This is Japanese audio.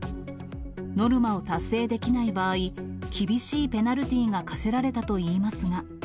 ノルマを達成できない場合、厳しいペナルティーが科せられたといいますが。